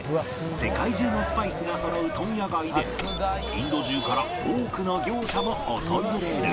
世界中のスパイスがそろう問屋街でインド中から多くの業者も訪れる